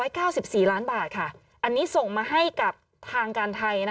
คือ๒๙๔ล้านบาทค่ะอันนี้ส่งมาให้กับทางการไทย